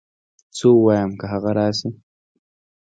څه ووايم که هغه راشي